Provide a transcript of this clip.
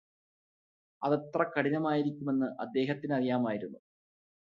അതെത്ര കഠിനമായിരിക്കുമെന്ന് അദ്ദേഹത്തിനറിയാമായിരുന്നു